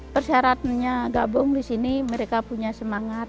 persyaratannya gabung di sini mereka punya semangat